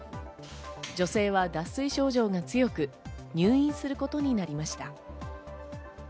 女性は脱水症状が強く、入院することになりました。